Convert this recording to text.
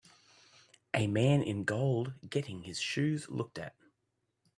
A man in gold getting his shoes looked at.